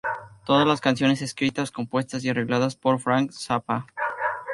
Todas las canciones escritas, compuestas y arregladas por Frank Zappa.